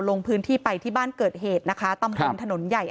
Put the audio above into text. ลงพื้นที่ไปที่บ้านเกิดเหตุนะคะตำบลถนนใหญ่